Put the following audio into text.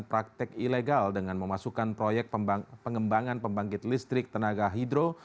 praktek ilegal dengan memasukkan proyek pengembangan pembangkit listrik tenaga hidro